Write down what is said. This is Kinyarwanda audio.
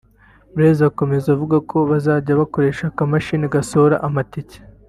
Blaise akomeza avuga ko bazjya bakoresha akamashini gasohora amatike